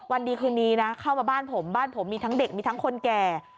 วันดีคืนนี้นะเข้ามาบ้านผมบ้านผมมีทั้งเด็กมีทั้งคนแก่